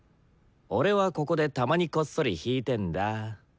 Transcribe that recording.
俺はここでたまにこっそり弾いてんだ。